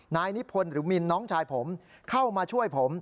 นายนิพนธ์หรือมินน้องชายผมเข้ามาช่วยผม